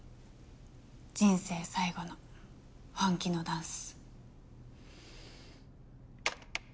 人生最後の本気のダンス。